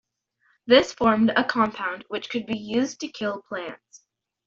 This formed a compound which could be used to kill plants.